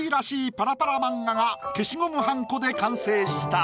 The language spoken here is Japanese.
パラパラ漫画が消しゴムはんこで完成した。